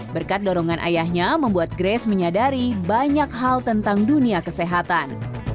berkat dorongan ayahnya membuat grace menyadari banyak hal tentang dunia kesehatan